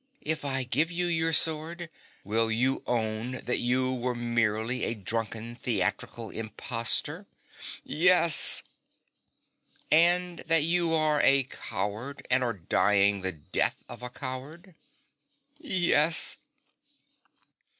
' If I give you your sword, will you own that you were merely a drunken theatrical impostor ?'' Yes.' ' And that you are a coward, and are dying the death of a coward ?'' Yes.'